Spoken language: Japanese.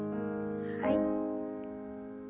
はい。